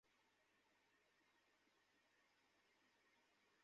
আরে মিয়া, বাইরে তো সব ভেসে যাচ্ছে!